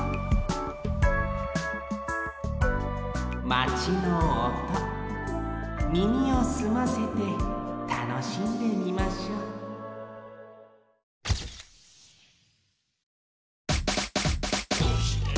マチのおと耳をすませてたのしんでみましょう「どうして？」